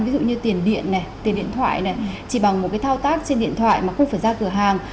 ví dụ như tiền điện này tiền điện thoại này chỉ bằng một cái thao tác trên điện thoại mà không phải ra cửa hàng